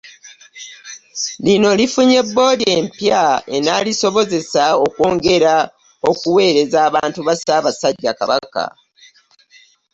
Lino lifunye bboodi empya enaalisobozesa okwongera okuweereza abantu ba Ssaabasajja Kabaka